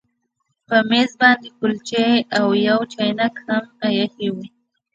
په میز باندې کلچې او یو چاینک هم ایښي وو